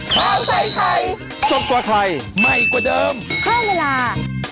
ข้าวใส่ไทยสดกว่าไทยใหม่กว่าเดิมเพิ่มเวลา